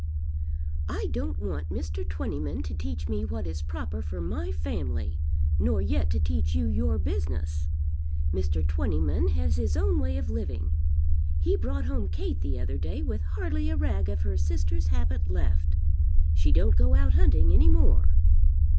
"I don't want Mr. Twentyman to teach me what is proper for my family, nor yet to teach you your business. Mr. Twentyman has his own way of living. He brought home Kate the other day with hardly a rag of her sister's habit left. She don't go out hunting any more."